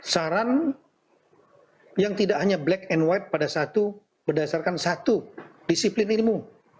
saran yang tidak hanya black and white pada satu berdasarkan satu disiplin ilmu